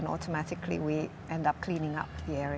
maka kita akan menjaga area kita sendiri